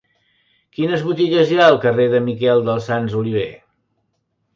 Quines botigues hi ha al carrer de Miquel dels Sants Oliver?